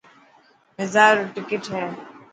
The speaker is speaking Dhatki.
مزار رو ٽڪٽ هي.